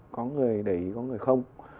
có người để ý có người không